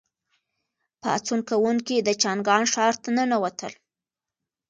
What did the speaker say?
پاڅون کوونکي د چانګان ښار ته ننوتل.